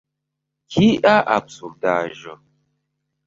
Kia absurdaĵo!